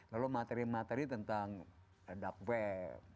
lalu materi materi tentang duk web